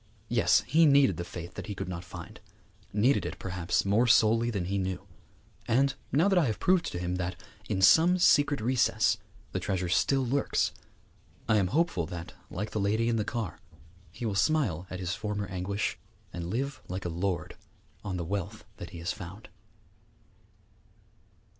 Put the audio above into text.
Yes, he needed the faith that he could not find; needed it, perhaps, more sorely than he knew. And now that I have proved to him that, in some secret recess, the treasure still lurks, I am hopeful that, like the lady in the car, he will smile at his former anguish, and live like a lord on the wealth that he has found.